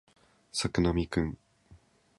作並くん